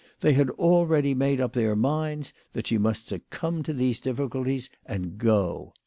They had already made up their minds that she must succumb to these difficulties and go